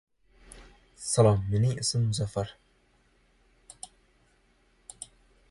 Balinese gamelan also features more archaic instrumentation than modern Javanese gamelans.